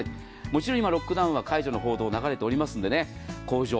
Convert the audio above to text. もちろん今、ロックダウンは解除の報道が流れていますので工場